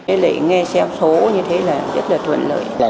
cái lệ nghe xem số như thế là rất là thuận lợi